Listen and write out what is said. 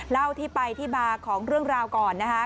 เล่าที่ไปที่มาของเรื่องราวก่อนนะคะ